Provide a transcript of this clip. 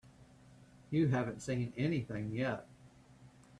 You haven't seen anything yet.